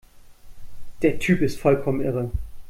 Der Typ ist vollkommen irre!